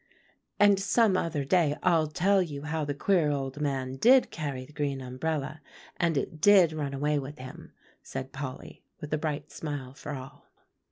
"And some other day I'll tell you how the queer old man did carry the green umbrella, and it did run away with him," said Polly, with a bright smile for all.